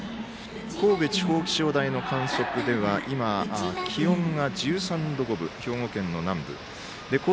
神戸地方気象台の観測では、今気温が１３度５分、兵庫県南部。